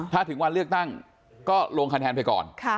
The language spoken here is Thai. ถ้าถึงวันเลือกตั้งก็ลงคะแนนไปก่อน